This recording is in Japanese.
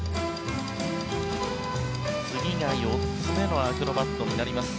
次が４つ目のアクロバットになります。